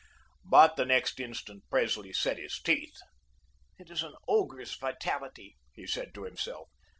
But the next instant Presley set his teeth. "It is an ogre's vitality," he said to himself.